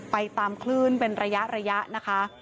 ตามคลื่นเป็นระยะนะคะ